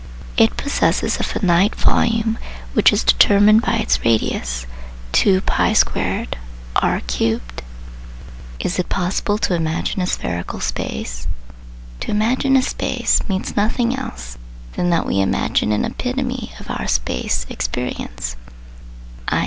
It possesses a finite volume, which is determined by its "radius" (2p2R3). Is it possible to imagine a spherical space? To imagine a space means nothing else than that we imagine an epitome of our " space " experience, i.